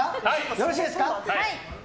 よろしいですか？